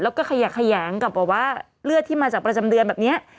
แล้วก็ขยะแขยงกับแบบว่าเลือดที่มาจากประจำเดือนแบบนี้